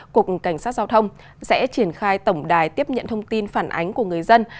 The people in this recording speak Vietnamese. cục cảnh sát giao thông sẽ triển khai tổng đài tiếp nhận thông tin phản ánh của người dân